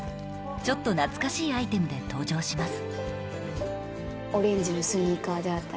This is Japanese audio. ちょっと懐かしいアイテムで登場します